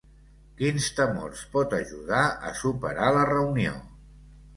Quins temors pot ajudar a superar la reunió?